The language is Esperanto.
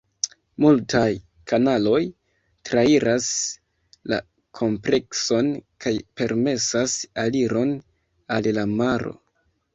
Multaj kanaloj trairas la komplekson kaj permesas aliron al la maro.